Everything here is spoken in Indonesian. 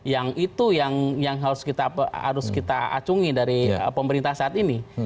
yang itu yang harus kita acungi dari pemerintah saat ini